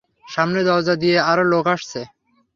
সামনের দরজা দিয়ে আরো লোক আসছে।